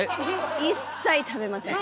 一切食べません。